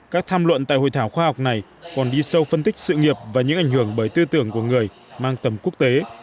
các tham luận tại hội thảo khoa học này còn đi sâu phân tích sự nghiệp và những ảnh hưởng bởi tư tưởng của người mang tầm quốc tế